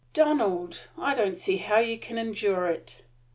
"Donald, I don't see how you can endure it."